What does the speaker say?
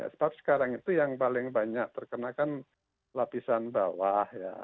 sebab sekarang itu yang paling banyak terkena kan lapisan bawah ya